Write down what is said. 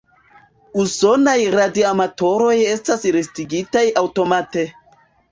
Usonaj radioamatoroj estas listigitaj aŭtomate.